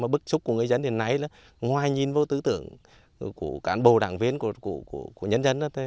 bức xúc của người dân đến nay ngoài nhìn vào tư tưởng của cán bộ đảng viên của nhân dân